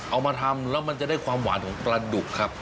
เอามาทำแล้วมันจะได้ความหวานของปลาดุกครับ